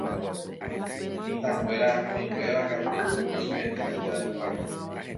mitãnguéra kõinguéva katu iñipertinénteva hikuái